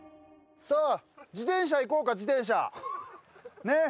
さあ、自転車行こうか、自転車、ねっ。